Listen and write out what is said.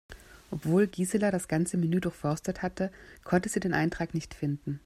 Obwohl Gisela das ganze Menü durchforstet hatte, konnte sie den Eintrag nicht finden.